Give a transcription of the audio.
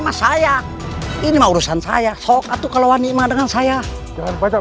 mas saya ini urusan saya soal satu keluhan ima dengan saya jangan banyak